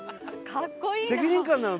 責任感なの？